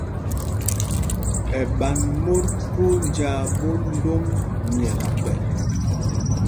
Ɛ ɓa mot twóó njāā ɓot ndom nyɛ ta kpɛl.